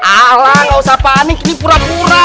ala ga usah panik ini pura pura